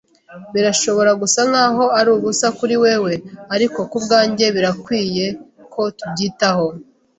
Birashobora gusa nkaho ari ubusa kuri wewe, ariko kubwanjye birakwiye ko tubyitaho.